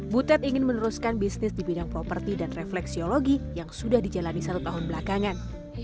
butet ingin meneruskan bisnis di bidang properti dan refleksiologi yang sudah dijalani satu tahun belakangan